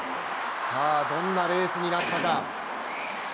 どんなレースになったか。